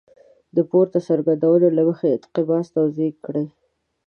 د پورته څرګندونو له مخې انقباض توضیح کړئ.